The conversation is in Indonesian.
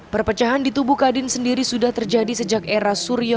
perpecahan di tubuh kadin sendiri sudah terjadi sejak era suryo